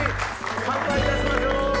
乾杯いたしましょう。